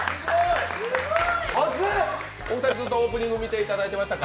お二人、ずっとオープニング見ていただいていましたか？